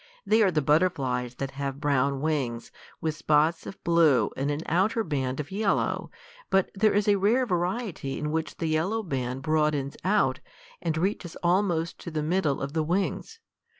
They are the butterflies that have brown wings, with spots of blue and an outer band of yellow, but there is a rare variety in which the yellow band broadens out, and reaches almost to the middle of the wings.